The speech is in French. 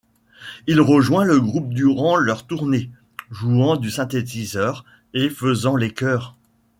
Il rejoint le groupe durant leurs tournées, jouant du synthétiseur, et faisant les chœurs.